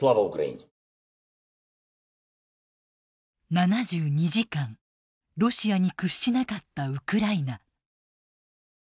７２時間ロシアに屈しなかったウクライナ。